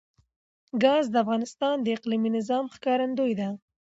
ګاز د افغانستان د اقلیمي نظام ښکارندوی ده.